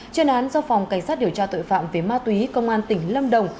chuyên án do phòng cảnh sát điều tra tội phạm về ma túy công an tỉnh lâm đồng